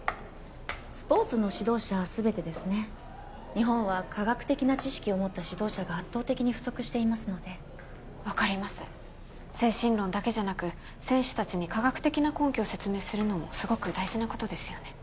スポーツの指導者全てですね日本は科学的な知識を持った指導者が圧倒的に不足していますので分かります精神論だけじゃなく選手たちに科学的な根拠を説明するのもすごく大事なことですよね